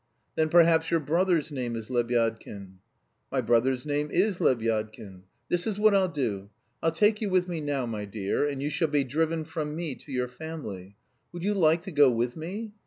"Then perhaps your brother's name is Lebyadkin?" "My brother's name is Lebyadkin." "This is what I'll do, I'll take you with me now, my dear, and you shall be driven from me to your family. Would you like to go with me?"